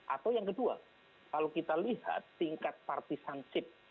atau yang kedua kalau kita lihat tingkat partisanship